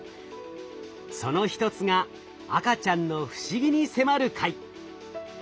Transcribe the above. その一つが赤ちゃんの不思議に迫る回。